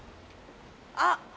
あっ！